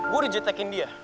gue udah jetekin dia